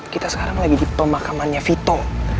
kita sekarang lagi di pemakamannya vito